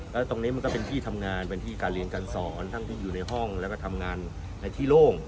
แล้วตรงนี้มันก็เป็นที่ทำงานเป็นที่การเรียนการสอนทั้งที่อยู่ในห้องแล้วก็ทำงานในที่โล่ง